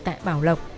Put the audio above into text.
tại bảo lộc